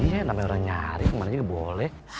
iya namanya orang nyari kemana juga boleh